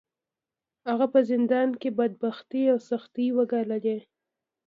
هغه په زندان کې بدبختۍ او سختۍ وګاللې.